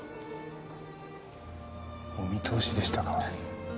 お見通しでしたか。